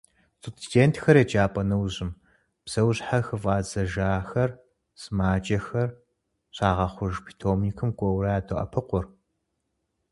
Студентхэр еджапӏэ нэужьым, псэущьхьэ хыфӏадзэжахэр, сымаджэхэр, щагъэхъуж питомникым кӏуэуэрэ ядоӏэпыкъур.